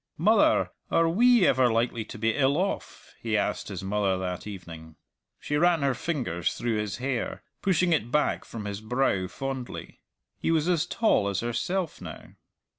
"Mother, are we ever likely to be ill off?" he asked his mother that evening. She ran her fingers through his hair, pushing it back from his brow fondly. He was as tall as herself now.